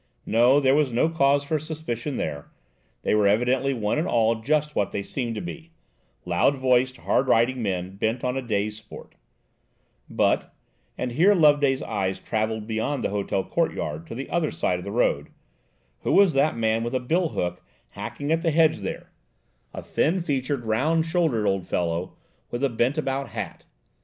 No, there was no cause for suspicion there: they were evidently one and all just what they seemed to be–loud voiced, hard riding men, bent on a day's sport; but–and here Loveday's eyes traveled beyond the hotel court yard to the other side of the road–who was that man with a bill hook hacking at the hedge there–a thin featured, round shouldered old fellow, with a bent about hat?